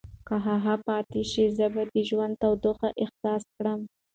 که هغه پاتې شي، زه به د ژوند تودوخه احساس کړم.